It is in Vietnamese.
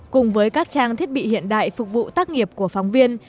cùng với các trang thiết bị hiện đại phục vụ tác nghiệp của phóng viên